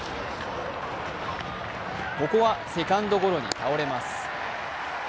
ここはセカンドゴロに倒れます。